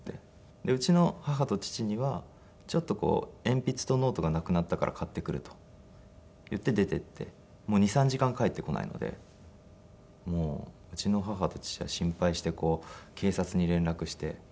でうちの母と父にはちょっと「鉛筆とノートがなくなったから買ってくる」と言って出て行ってもう２３時間帰ってこないのでもううちの母と父は心配して警察に連絡して。